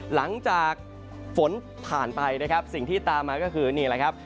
หลังจากฝนผ่านไปนะครับสิ่งที่ตามมาก็คือนี่แหละครับ